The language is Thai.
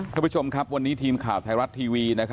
ท่านผู้ชมครับวันนี้ทีมข่าวไทยรัฐทีวี